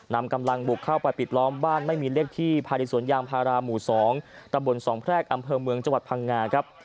นำกำลังบุกเข้าไปปิดล้อมบ้านไม่มีเลขที่ภายในสวนยางพาราหมู่๒ตะบนสองแพรกอำเภอเมืองจังหวัดพังงาครับ